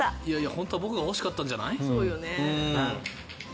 本当は僕が欲しかったんじゃない？